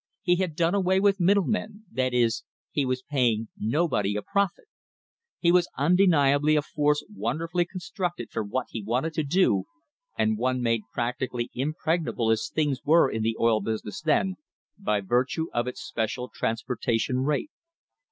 He had done away with middlemen, that is, he was "paying nobody a profit." He had undeniably a force wonderfully constructed for what he wanted to do and one made practi cally impregnable as things were in the oil business then, by virtue of its special transportation rate.